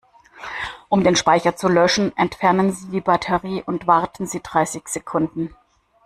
Um den Speicher zu löschen, entfernen Sie die Batterie und warten Sie dreißig Sekunden.